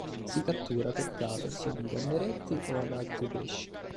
Si cattura per caso assieme a gamberetti o ad altri pesci.